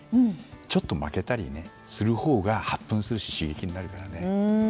ちょっと負けたりするほうが発奮するし、刺激になるからね。